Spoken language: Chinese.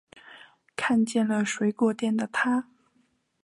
看见了水果店的她